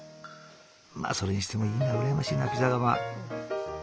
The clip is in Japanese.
まあそれにしてもいいな羨ましいなピザ窯。